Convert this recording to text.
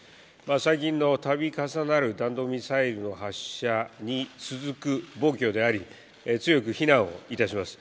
最近の度重なる弾道ミサイルの発射に続く暴挙であり強く非難をいたします。